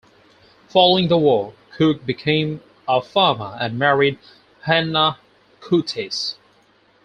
Following the war, Cook became a farmer and married Hannah Curtis.